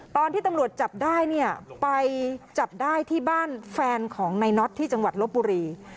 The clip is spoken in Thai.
ตอนที่ตำรวจจับได้เนี่ยไปจับได้ที่บ้านแฟนของนายน็อตที่จังหวัดลบบุรี